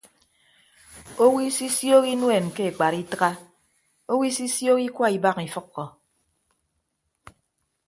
Owo isisioho inuen ke ekpat itịgha owo isisioho ikua ibak ifʌkkọ.